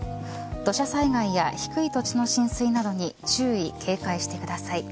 土砂災害や低い土地の浸水などに注意、警戒してください。